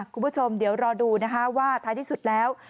คุณผู้ชมเดี๋ยวรอดูนะคะว่าท้ายที่สุดแล้ว